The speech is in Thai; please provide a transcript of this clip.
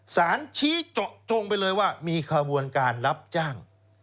สารชี้เจาะจงไปเลยว่ามีขบวนการรับจ้าง